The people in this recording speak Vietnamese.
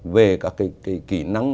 về các cái kỹ năng